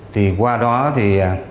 thì qua đó thì